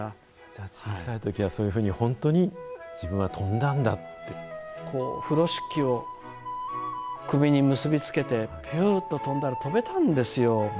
じゃあ、小さいときはそういうふうに、本当に自分は飛んだんこう、風呂敷を首に結び付けて、ぴゅーっと飛んだら飛べたんですよ。